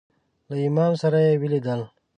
له امام سره یې ولیدل.